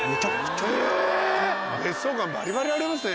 えぇ⁉別荘感バリバリありますね。